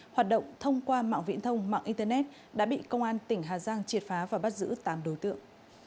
hoạt động thông qua mạng viễn thông mạng internet đã bị công an tỉnh hà giang triệt phá và bắt giữ tám đối tượng